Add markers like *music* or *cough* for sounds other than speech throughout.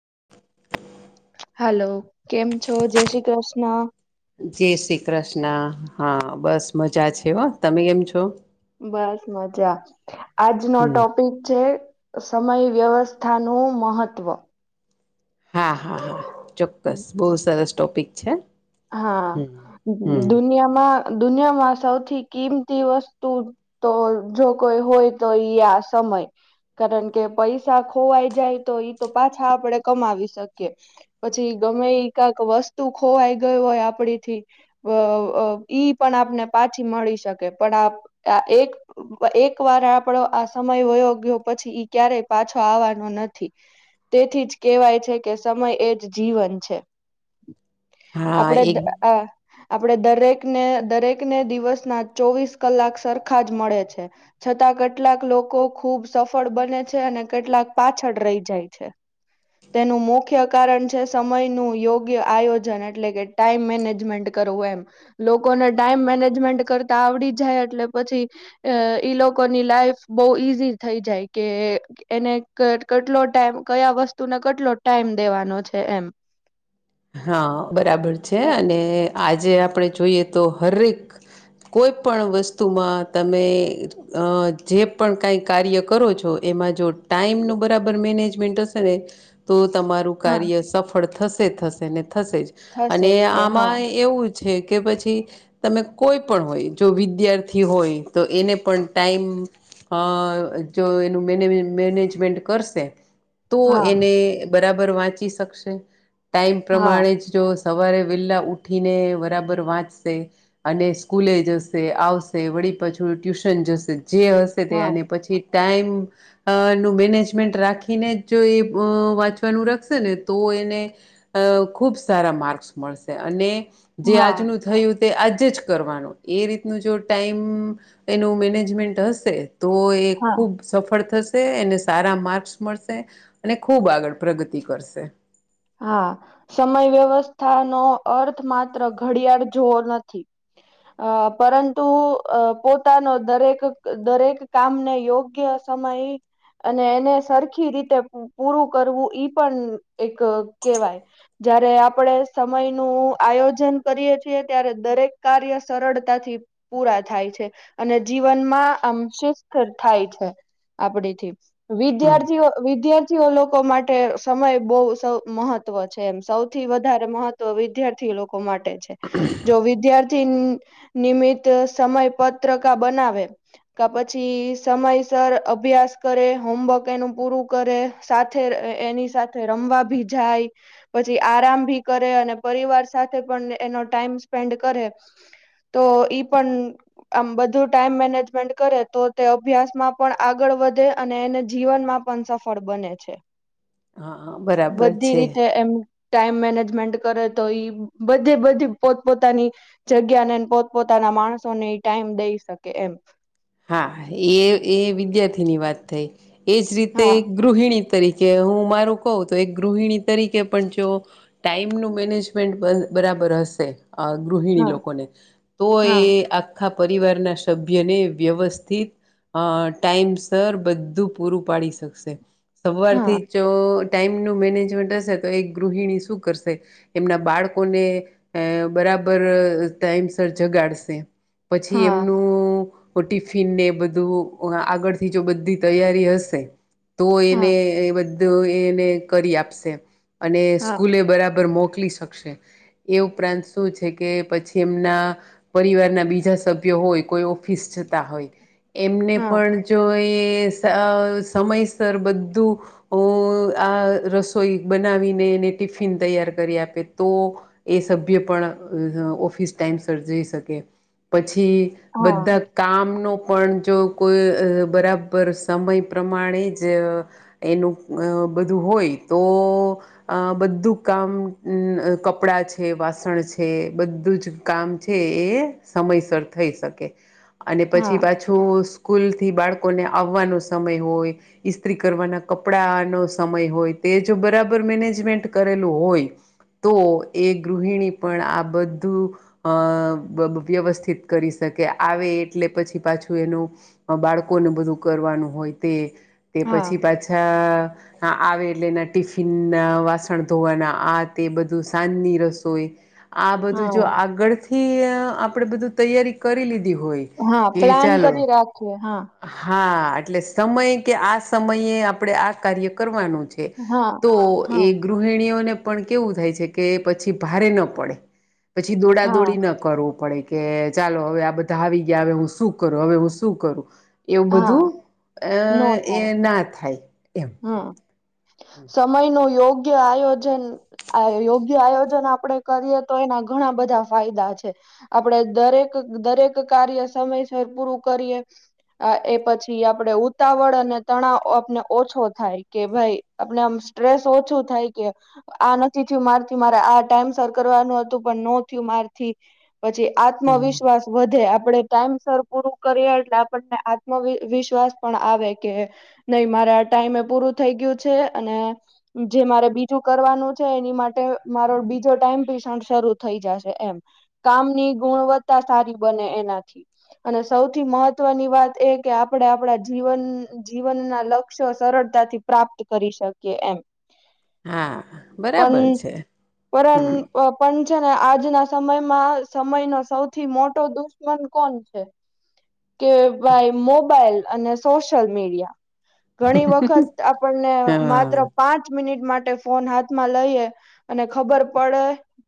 *inaudible* Hello કેમ છો જય શ્રી કૃષ્ણ જય શ્રી કૃષ્ણ હા બસ મજા છે હો તમે કેમ છો બસ મજા આજનો હમ ટોપિક છે સમય વ્યવસ્થા નું મહત્ત્વ હા હા હા ચોક્કસ બહુ સરસ ટોપિક છે હા હમ હમ દુનિયામાં દુનિયામાં સૌથી કિંમતી વસ્તુ તો જો કોઈ હોય તો યા સમ સમય કારણ કે પૈસા ખોવાઈ જાય તો ઈ તો પાછા આપડે કમાવી શકીએ પછી ગમે એકાક વસ્તુ ખોવાય ગયો હોય આપડી થી ઈ પણ આપને પાછી મળી શકે પણ આ એક એક વાર આપડો આ સમય વયો ગયો પછી ઈ ક્યારેય પાછો આવવાનો નથી તેથી જ કેહેવાય છે કે સમય એ જ જીવન છે હા આપણે એક આ આપડે દરેકને દરેકને દિવસના ચોવીસ કલાક સરખા જ મળે છે છતાં કેટલાક લોકો ખુબ સફળ બને છે અને કેટલાક પાછળ રહી જાય છે તેનું મુખ્ય કારણ છે સમય નું યોગ્ય આયોજન એટલે કે ટાઈમ મેનેજમેન્ટ કરવું એમ લોકોને ટાઈમ મેનેજમેન્ટ કરતા આવડી જાય એટલે પછી ઈ લોકોની લાઈફ બહુ ઈઝી થઈ જાય કે એને કેટલો ટાઇમ કયા વસ્તુને કેટલો ટાઈમ દેવાનો છે એમ હા બરાબર છે અને આજે આપણે જોઈએ તો હરેક કોઈ પણ વસ્તુમાં તમે અ જે પણ કઈ કાર્ય કરો છો એમાં જો ટાઈમ નું બરાબર મેનેજમેન્ટ હશે ને તો તમારું હા કાર્ય સફળ થશે થશે ને થશે જ થશે અને જ તે હા આમાં એવું છે કે પછી તમે કોઈ પણ હોય જો વિદ્યાર્થી હોય તો એને પણ ટાઈમ હા જો એનું મે મેનેજમેન્ટ કરશે તો હા એને બરાબર વાંચી શકશે ટાઈમ હા પ્રમાણે જ જો સવારે વહેલા ઉઠીને બરાબર વાંચશે અને સ્કૂલે જશે આવશે વડી પાછું ટ્યુશન જશે જે હશે તે હા એને પછી ટાઈમ નું મેનેજમેન્ટ રાખીને જ જો એ વાંચવાનું રખશે ને તો એને ખુબ સારા માર્ક્સ મળશે અને જે હા આજનું થયું તે આજે જ કરવાનું એ રીતનું જો ટાઈમ એનું મેનેજમેન્ટ હશે તો એ હા ખુબ સફળ થશે એને સારા માર્ક્સ મળશે અને ખૂબ આગળ પ્રગતિ કરશે હા સમય વ્યવસ્થાનો અર્થ માત્ર ઘડિયાળ જોવો નથી અ પરંતુ પોતાનો દરેક દરેક કામને યોગ્ય સમય અને એને સરખી રીતે પૂરું કરવું ઈ પણ એક કહેવાય જયારે આપણે સમય નું આયોજન કરીએ છીએ ત્યારે દરેક કાર્ય સરળતાથી પૂરા થાય છે અને જીવનમાં આમ શિસ્થ થાય છે આપડીથી હમ વિદ્યાર્થીઓ વિદ્યાર્થીઓ લોકો માટે સમય બહું તો મહત્વ છે એમ સૌથી વધારે મહત્વ વિદ્યાર્થી લોકો માટે જ જો વિદ્યાર્થી નિમિત સમય પત્રકા બનાવે કા પછી સમયસર અભ્યાસ કરે હોમવર્ક એનું પૂરું કરે સાથે એની સાથે રમવા ભી જાય પછી આરામ ભી કરે અને પરિવાર સાથે પણ એનો ટાઈમ સ્પેન્ડ કરે *inaudible* તો ઈ પણ આમ બધું ટાઈમ મેનેજમેન્ટ કરે તો તે અભ્યાસમાં પણ આગળ વધે અને એને જીવનમાં પણ સફળ બને છે હા બરાબર બધી છે રીતે એમ ટાઈમ મેનેજમેન્ટ કરે તો ઈ બધી બધી પોતપોતાની જગ્યા ને પોતપોતાના ના માણસો ને ટાઈમ દઈ શકે એમ હા એ એ વિદ્યાર્થીની વાત થઈ એજ રીતે હા ગૃહિણી તરીકે કે હું મારું કહ તો એક ગૃહિણી તરીકે પણ જો ટાઈમ નો મેનેજમેન્ટ બરાબર બર હશે આ ગૃહિણી હા લોકોને તો એ હા આખા પરિવારના સભ્યને વ્યવસ્થિત ટાઈમસર બધું પૂરું પાડી શકશે સવાર થી હા જ જો ટાઈમનું મેનેજમેન્ટ હશે તો એક ગૃહણી શું કરશે એમના બાળકોને બરા બરાબર ટાઇમસર જગાડશે પછી હા એમનું ટિફિન ને બધું આગળથી જો બધી તૈયારી હશે તો હા એને એ બધું એને કરી આપશે અને હા સ્કૂલે બરાબર મોક મો શ એ ઉપરાંત શું છે કે પછી એમના પરિવારના બીજા સભ્યો હોય કોઈ ઓફિસ જતા હોય એમને હા પણ જો સમયસર બધું આ રસોઈ બ ટિફિન તૈયાર કરી આપે તો એ સભ્ય પણ ઓફિસ ટાઈમ સર્જી શકે પછી હા બધા કામનો પણ જો કોઈ બરાબર સમય પ્રમાણે જ એ બધું હોય તો આ બધું કામ કપડા છે વાસણ છે બધું જ કામ છે એ સમયસર થઈ શકે અને હા પછી પાછું સ્કૂલથી બાળકોને આવવાનો સમય હોય ઇસ્ત્રી કરવાના કપડાંનો સમય હોય તે જો બરાબર મેનેજમેન્ટ કરેલું હોય તો એ ગૃહિણી પણ આ બધું અ વ્યવસ્થિત કરી શકે કે આવે એટલે પછી પાછું એનું બાળકોને બધું કરવાનું હોય તે તે હા પછી પાછા આવે એટલે એના ટિફિન ના વાસણ ધોવાના આ તે બધું સાજની રસોઈ આ બધું જો હા આગળથી આપણે બધું તૈયારી કરી લીધી હોય હા કે પ્લાન ચાલો કરી રાખીએ હા હા એટલે સમય કે આ સમયે આપણેે આ કાર્ય કરવાનું છે હા તો એ હા ગૃહિણીઓને પણ કેવું થાય છે કે પછી ભારે ના પડે પછી હા દોડાદોડી ના કરવો પડે કે ચાલો હવે આ બધા આવી ગયા હવે હું શું કરું હવે હું શું કરું એવું હા બધું અ એ ના થાય એમ હમ સમય નો યોગ યોગ્ય આયોજન યોગ્ય આયોજન આપડે કરીએ તો એના ઘણા બધા ફાયદા છે આપડે દરેક દરેક કાર્ય સમયસર પૂરું કરીએ એ પછી આપણેે ઉતાવળ અને તણાવ આપને ઓછો થાય કે ભાઈ આપને આમ સ્ટ્રેસ ઓછું થાય કે આ નથી મારથી મારે આ ટાઈમ સર કરવાનું હતું પણ ન થયું મારથી પછી હમ. આત્મવિશ્વાસ વધે આપડે ટાઈમ સર પૂરું કરીએ એટલે આપણને આત્મ વિશ્વાસ પણ આવે કે નહી મારા ટાઈમે પૂરું થઈ ગયું છે અને જે મારે બીજું કરવાનું છે એની માટે મારો બીજો ટાઈમ પિસ શરૂ થઈ જશે એમ કામની ગુણવત્તા સારી બને એનાથી અને સૌથી મહત્વની વાત એ કે આપણેે આપણા જીવન જીવનના લક્ષ ક્ષ સરળતાથી પ્રાપ્ત કરી શકે એમ હા પન બરાબર છે પરન હમ અ પન છે, ને આજના સમયમાં સમયનો સૌથી મોટો દુશ્મન કોણ છે? કે ભાઈ મોબાઈલ અને સોશિયલ મીડિયા ઘણી વખત આપણને હા. માત્ર પાંચ મિનિટ માટે ફોન હાથમાં લઈએ અને ખબર પડે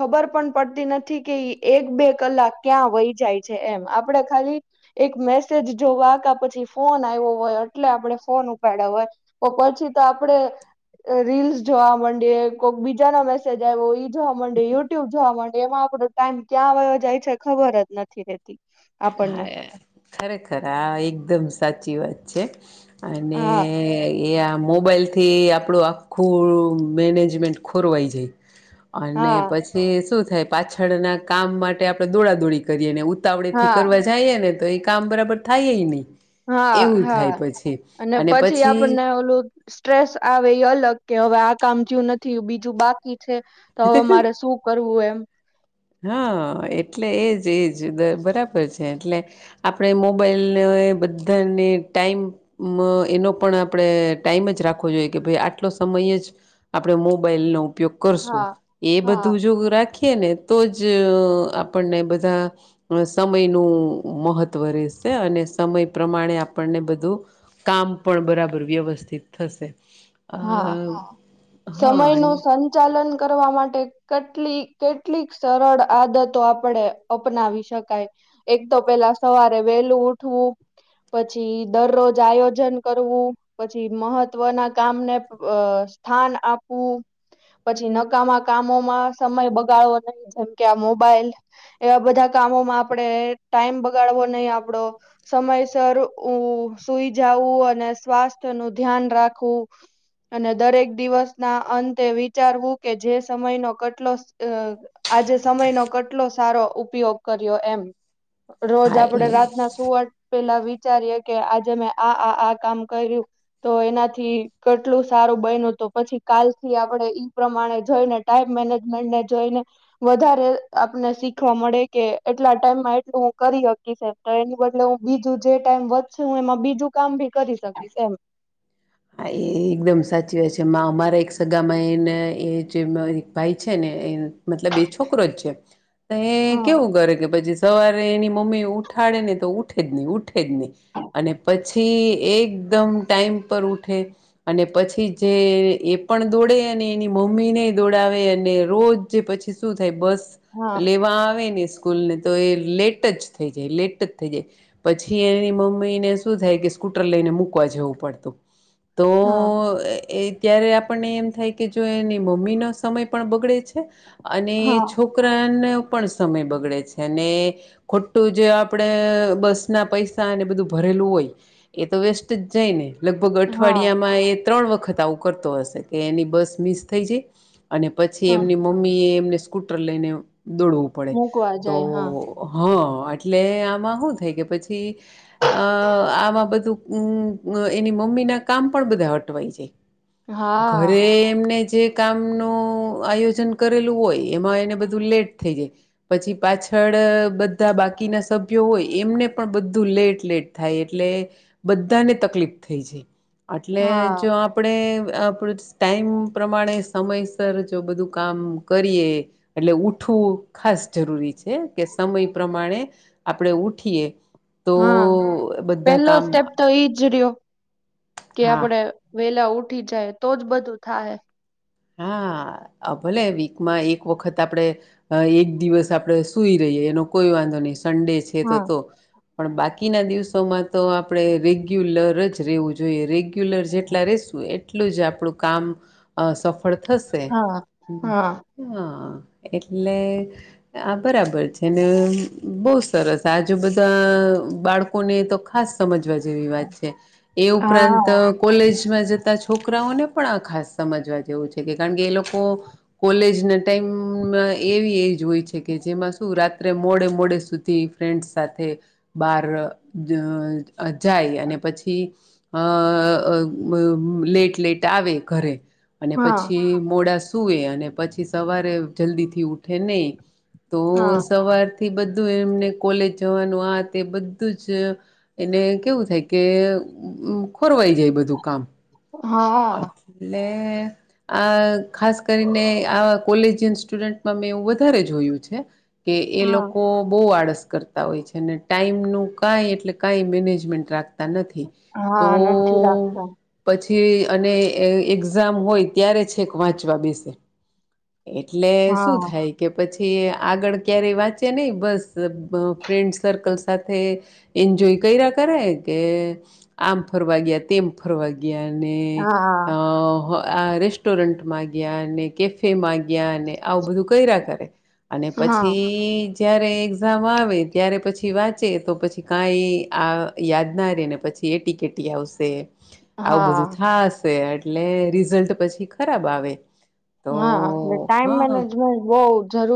ખબર પણ પડતી નથી કે એક બે કલાક ક્યાં વહી જાય છે, એમ આપડે ખાલી એક મેસેજ જોવા કા પછી ફોન આવ્યો હોય એટલે આપણે ફોન ઉપાડ્યા હોય તો પછી તો આપડે રીલ્સ જોવા માંડીએ કોક બીજાનો મેસેજ આવ્યો જોવા માંડયે યુટ્યુબ જોવા માંડયે એમાં આપડો ટાઈમ ક્યાં આવયો જાય છે, ખબર જ નથી રેતી આપણને હા ખરેખર આ એકદમ સાચી વાત છે. અને હા એ આ મોબાઈલ થી આપણું આખું મેનેજમેન્ટ ખોરવાઈ જાય અને હા પછી શું થાય પાછળના કામ માટે આપણે દોડાદોડી કરીએને ઉતાવડેથી હા કરવાર જાએને તો એ કામ બરાબર થાય નહી હા એવું હા. થાય પછી અને પછી આપણને ઓલું સ્ટ્રેસ આવે એ અલગ કે હવે કામજયું નથી બીજું બાકી છે, તો હવે મારે શું કરવું એમ? હા એટલે એજ એજ બરાબર છે, એટલે આપડે મોબાઈલને બધાને ટાઈમ એનો પણ આપણે ટાઈમ જ રાખવો જોઈએ કે ભાઈ આટલો સ મય જ આપણે મોબાઈલનો ઉપયોગ કરશું હા એ હા બધું જો રાખીએ ને તો જ આપણને બધા સમયનું મહત્ત્વ રહેશે અને સમય પ્રમાણે આપણને બધું કામ પણ બરાબર વ્યવસ્થિત થશે અ. સમય હા નું સંચાલન કરવા માટે કટલી કેટલીક સરળ આદતો આપણે અપનાવી શકાય એક તો તો પેલા સવારે વહેલું ઉઠવું પછી દરરોજ આયોજન કરવું પછી મહત્વના કામને અ સ્થાન આપવું પછી નકામા કામોમાં સમય બગાડવો નહી જેમ કે આ મોબાઈલ એવા બધા કામોમાં આપડે ટાઈમ બગાડવો નહીં આપડો સમયસર ઉ સુઈ જાવ અને સ્વાસ્થ્ય નું ધ્યાન રાખવું અને દરેક દિવસના અંતે વિચારવું કે જે સમયનો કેટલો અ આજે સમયનો કેટલો સારો ઉપયોગ કર્યો એમ રોજ હા આપડે એ રાતના સુવાટ પેલા વિ ચારીએ કે આજે મેં આ આ આ કામ કર્યું તો એનાથી કેટલું સારું બનીયુ તો પછી કાલથી આપણે ઈ પ્રમાણે જોઈને ટાઈમ મેનેજમેન્ટને જોઈને વધારે આ પને શીખવા મળે કે એટલા ટાઈમમાં એટલું હું કરી હકીશ તો એની બદલે હું બીજું જે ટાઈમ વધસે હું એમાં બીજું કામ ભી કરી શકીશ એમ હા એ એકદમ સાચી વાત છે, અમારા એક સગામાં એને એ જે ભાઈ ભાઈ છે, ને મતલબ એ છોકરો જ છે. એ હા કેવું કરે કે પછી સવારે એની મમ્મી ઉઠાડે ને તો ઉ ઠે જ ની ઉઠે જ ની અને પછી એકદમ ટાઈમ પર ઉઠે અને પછી જે એ પણ દોડે અને એની મમ્મીને દોડાવે અને રો રોજ પછી શું થાય બસ હા લેવા આવે ને સ્કૂલને તો એ લેટ જ થઈ જાય લેટ જ થઈ જાય પછી એની મમ્મી ને શું થાય કે સ્કૂટર લઈને મૂકવા જવું પડતું તો હા એ ત્યારે આપણને એમ થાય કે જો એની મમ્મીનો સમય પણ બગડે છે. અને હા છોકરાને પણ સમય બગડે છે, ને ખોટું જે આપણે બસના પૈસા અને બધું ભરે લુ હોય એ તો વેસ્ટ જ જાય ને લગભગ હા અઠવાડિયામાં એ ત્રણ વખત આવું કરતો હશે કે એની બસ મિસ થઈ જાય અને પછી હા એમની મમ્મી એમને સ્કૂટર લઈને દોડવું પડે મૂકવા તો જાય હા હા એટલે આ એમાં હું થઈ ગયું પછી આમાં બધું એની મમ્મી ના કામ પણ બધા અટવાય જાય ઘરે હા એમને જે કામ ન આયોજન કરેલું હોય એમાં એને બધું લેટ થઈ જાય પછી પાછળ બધા બાકીના સભ્યો હોય એમને પણ બધું લેટ લેટ થાય એટલે બધા બને તકલીફ થઈ છે એટલે હા જો આપણે આપ ટાઈમ પ્રમાણે સમયસર જો બધું કામ કરીએ એટલે ઉઠું ઉઠવું ખાસ જરૂરી છે કે સમય પ્રમાણે આપણે ઉઠીએ તો હા બધા પેલો કામ સ્ટેપ તો ઈજ રહ્યો કે હા આપડે વેલા ઉઠી જાય તો જ બધું થાય હા ભલે વીકમાં એક વખત આપડણે એક દિવસ આપડે સુઈ રહી એનો કોઈ વાંધો નહી સંડે છે તો હા તો પણ બાકીના દિવસોમાં તો આપણે રેગ્યુલર જ રહેેવું જોઈએ રેગ્યુલર જેટલા રે એટલું જ આપણું કામ સફળ થશે હા હ હા હા એટલે આ બરાબર છે ને બહુ સરસ આજુ બધા બાળકોને તો ખાસ સમજ જે વાત છે એ હા ઉપરાંત કોલેજમાં જતા છોકરાઓને પણ આ ખાસ સમજવા જેવું છે કારણ કે એ લોકો કોલેજ ના ટાઈમમાં એવી એજ હોય છે કે જેમાં શું રા રાત્રે મોડે મોડે સુધી ફ્રેન્ડસ સાથે બાર જાય અને પછી અ લેટ લેટ આવે ઘરે અને હા પછી મોડા સુએ અને પછી સવારે જલ્દીથી ઉઠે નહી તો હા સવાર થી બધું એમને કોલેજ જવાનું આ તે બધું જ એને કેવું થાય કે ખોરવાઈ જાય બધું કામ હા એટલે આ ખાસ કરીને આ કોલેજિયન સ્ટુડન્ટમાં મેં એવું વધારે જોયું છે કે એ હા લોકો બહુ આડસ કરતા હોય છે અને ટાઈમ નું કાઈ એટલે કાઈ મેનેજમેન્ટ રાખતા નથી તો હા નથી રાખતા પછી અને એક્ઝામ હોય ત્યારે છેક વાંચવા બેસે એટલે શું હા થાય કે પછી થી આગળ ક્યારેય વાંચે નહી બસ ફ્રેન્ડ સર્કલ સાથે એન્જોય ક કરે કે આમ ફરવા ગયા તેમ ફરવા ગયા અને હા અ રેસ્ટોરન્ટ માંગયા અને કેફે માંગ્યા આવું બધું કર કરે અને હા પછી જ્યારે એામ આવે ત્યારે પછી વાંચે તો પછી કાંઈ આ યાદ ના ર ને પછી એટી કેટી આવે આવું બધું હા થ હશે એટલે રિઝલ્ટ પછી ખરાબ આવે તો હા એટલે ટાઈમ હા મેનેજમેન્ટ બહ જરૂરી